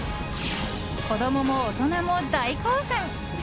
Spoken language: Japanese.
子供も大人も大興奮。